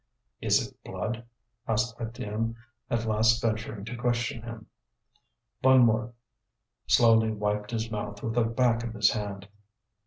"Is it blood?" asked Étienne, at last venturing to question him. Bonnemort slowly wiped his mouth with the back of his hand.